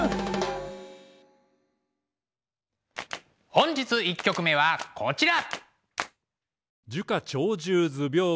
本日１曲目はこちら。